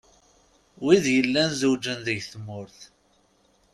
Wid yellan zewjen deg tmurt.